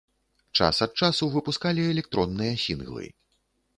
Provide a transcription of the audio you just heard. Час ад часу выпускалі электронныя сінглы.